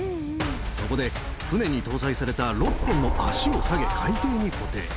そこで、船に搭載された６本の足を下げ、海底に固定。